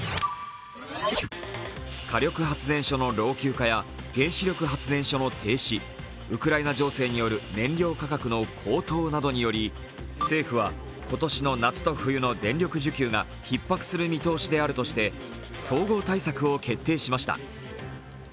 火力発電所の老朽化や原子力発電の停止、ウクライナ情勢による燃料価格の高騰などにより政府は今年の夏と冬の電力需給がひっ迫する見通しであるとして、総合対策を決定しました。